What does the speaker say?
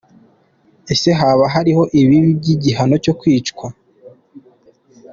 Ese haba hariho ibibi by’igihano cyo kwicwa?.